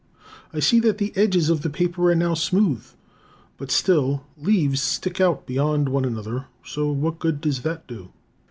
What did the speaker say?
I see that the edges of the paper are now smooth, but still the leaves stick out beyond one another, so what good does that do?